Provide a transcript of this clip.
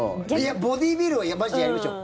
ボディービルはマジでやりましょう。